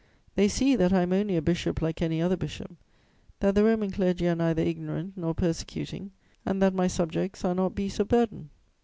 They see that I am only a bishop like any other bishop, that the Roman clergy are neither ignorant nor persecuting, and that my subjects are not beasts of burden!'